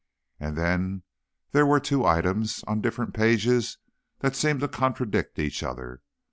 And then there were two items, on different pages, that seemed to contradict each other.